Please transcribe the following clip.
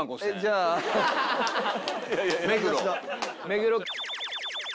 目黒。